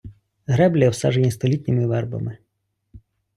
Греблі обсаджені столітніми вербами.